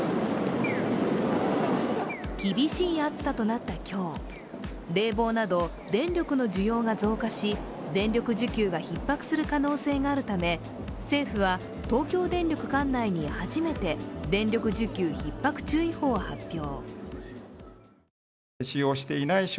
厳しい暑さとなった今日、冷房など電力の需要が増加し電力需給がひっ迫する可能性があるため政府は東京電力館内に初めて電力需給ひっ迫注意報を発表。